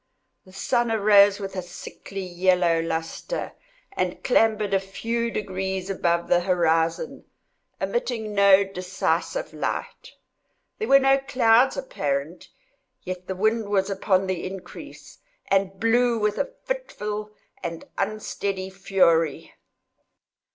The sun arose with a sickly yellow lustre, and clambered a very few degrees above the horizon—emitting no decisive light. There were no clouds apparent, yet the wind was upon the increase, and blew with a fitful and unsteady fury.